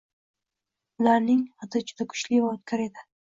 Ularning hidi juda kuchli va o‘tkir edi